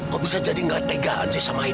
kok bisa jadi gak tega anjay sama aida